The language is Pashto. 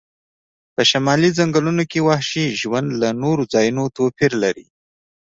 په شمالي ځنګلونو کې وحشي ژوند له نورو ځایونو توپیر لري